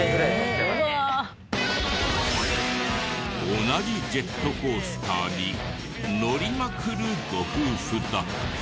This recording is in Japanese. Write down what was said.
同じジェットコースターに乗りまくるご夫婦だった。